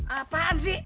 eh apaan sih